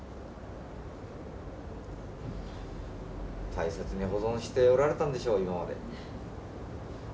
大切に保存しておられたんでしょう今まで。